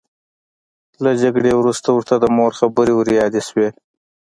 له جګړې وروسته ورته د مور خبرې وریادې شوې